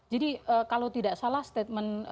jadi kalau tidak salah statement